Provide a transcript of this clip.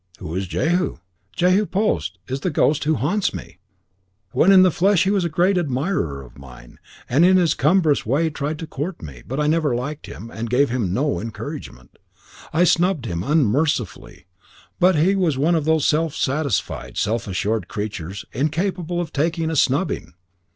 "Who is Jehu?" "Jehu Post is the ghost who haunts me. When in the flesh he was a great admirer of mine, and in his cumbrous way tried to court me; but I never liked him, and gave him no encouragement. I snubbed him unmercifully, but he was one of those self satisfied, self assured creatures incapable of taking a snubbing.